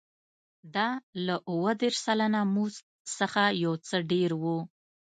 دا له اووه دېرش سلنه مزد څخه یو څه ډېر و